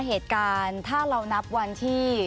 เหตุการณ์ถ้าเรานับวันที่